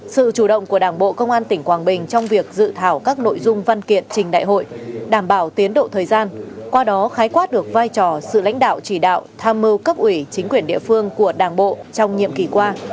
sự chủ động của đảng bộ công an tỉnh quảng bình trong việc dự thảo các nội dung văn kiện trình đại hội đảm bảo tiến độ thời gian qua đó khái quát được vai trò sự lãnh đạo chỉ đạo tham mưu cấp ủy chính quyền địa phương của đảng bộ trong nhiệm kỳ qua